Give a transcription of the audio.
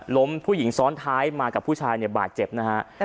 ผู้หญิงซ้อนท้ายมากับผู้ชายเนี่ยบาดเจ็บนะฮะ